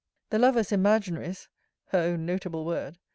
'The lovers imaginaries [her own notable word!